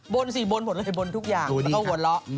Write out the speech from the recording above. สิบนหมดเลยบนทุกอย่างแล้วก็หัวเราะ